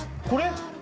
これ？